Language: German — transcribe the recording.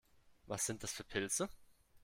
Was sind das für Pilze?